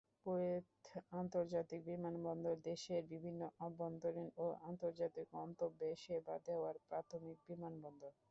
Kuwait আন্তর্জাতিক বিমানবন্দর দেশের বিভিন্ন অভ্যন্তরীণ ও আন্তর্জাতিক গন্তব্যে সেবা দেওয়ার প্রাথমিক বিমানবন্দর।